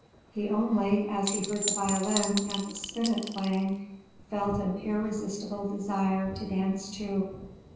He only, as he heard the violin and the spinet playing, felt an irresistible desire to dance too.